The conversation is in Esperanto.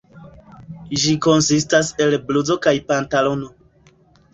Ĝi konsistas el bluzo kaj pantalono.